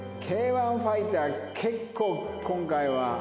結構今回は。